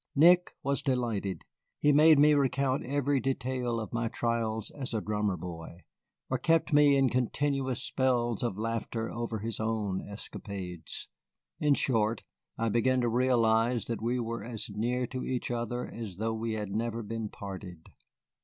Nick was delighted. He made me recount every detail of my trials as a drummer boy, or kept me in continuous spells of laughter over his own escapades. In short, I began to realize that we were as near to each other as though we had never been parted.